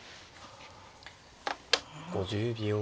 ５０秒。